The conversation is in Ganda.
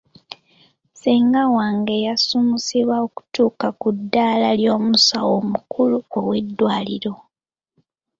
Ssenga wange yasuumuusibwa okutuuka ku ddaala ly'omusawo omukulu ow'eddwaliro.